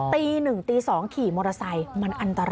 ตี๑ตี๒ขี่มอเตอร์ไซค์มันอันตราย